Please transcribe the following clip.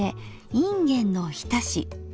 いんげんのおひたし。